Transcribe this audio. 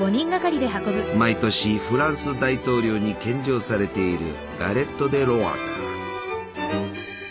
毎年フランス大統領に献上されているガレット・デ・ロワだ。